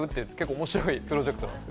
面白いプロジェクトなんです。